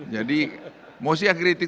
jadi mesti yang ngeritik